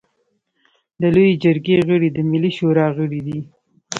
د لويې جرګې غړي د ملي شورا غړي دي.